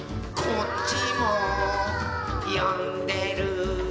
「こっちもよんでるー」